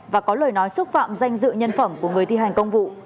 và có lời nói xúc phạm danh dự nhân phẩm của người thi hành công vụ